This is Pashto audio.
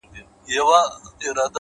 اوس مي هم ښه په ياد دي زوړ نه يمه”